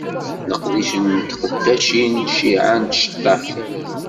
Leqdic n tqeddacin cciεa n tceṭṭaḥin.